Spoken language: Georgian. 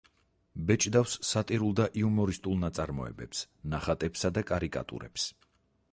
ბეჭდავს სატირულ და იუმორისტულ ნაწარმოებებს, ნახატებსა და კარიკატურებს.